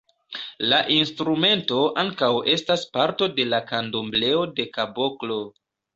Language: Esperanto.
La instrumento ankaŭ estas parto de la Kandombleo-de-kaboklo.